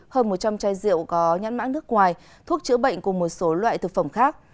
hơn một trăm linh chai rượu có nhãn mã nước ngoài thuốc chữa bệnh cùng một số loại thực phẩm khác